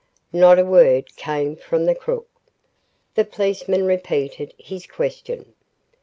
Not a word came from the crook. The policeman repeated his question.